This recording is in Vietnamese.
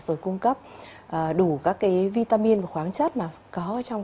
rồi cung cấp đủ các cái vitamin và khoáng chất mà có trong